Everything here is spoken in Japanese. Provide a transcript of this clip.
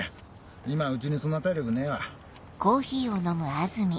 今うちにそんな体力ねえわ。